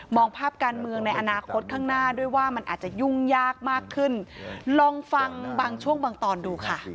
ภาพการเมืองในอนาคตข้างหน้าด้วยว่ามันอาจจะยุ่งยากมากขึ้นลองฟังบางช่วงบางตอนดูค่ะ